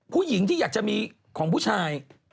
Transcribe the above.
ผู้หญิงที่อยากจะมีของผู้ชาย